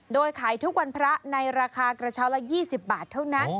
โดยขายทุกวันพระในราคากระเช้าละ๒๐บาทเท่านั้น